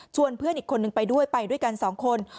เพื่อนอีกคนนึงไปด้วยไปด้วยกันสองคน